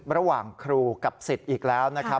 ระหว่างครูกับสิทธิ์อีกแล้วนะครับ